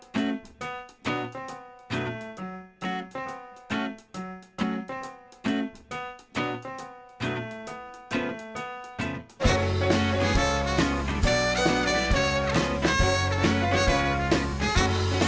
ช่วยกันให้แบบเต็มจะมีอะไรอีกบ้างไปชมไปชมไปชม